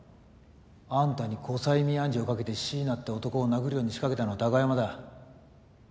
あんたに後催眠暗示をかけて椎名って男を殴るように仕掛けたのは貴山だ。